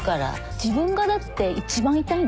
自分がだって一番いたいんだよ